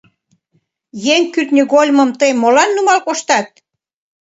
Еҥ кӱртньыгольмым тый молан нумал коштат?